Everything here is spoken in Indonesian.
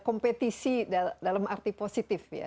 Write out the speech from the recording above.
kompetisi dalam arti positif ya